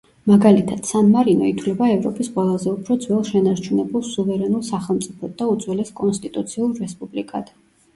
მაგალითად, სან-მარინო ითვლება ევროპის ყველაზე უფრო ძველ შენარჩუნებულ სუვერენულ სახელმწიფოდ და უძველეს კონსტიტუციურ რესპუბლიკად.